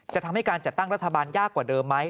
จะทำให้การจัดตั้งรัฐบาลยากกว่าเดิมไหม